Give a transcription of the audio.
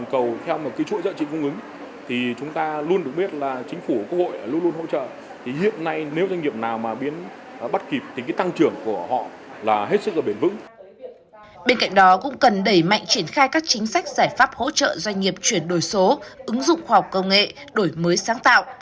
các chính sách giải pháp hỗ trợ doanh nghiệp chuyển đổi số ứng dụng khoa học công nghệ đổi mới sáng tạo